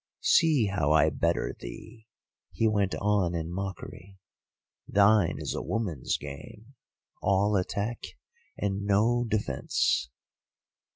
'See how I better thee,' he went on in mockery. 'Thine is a woman's game; all attack and no defence.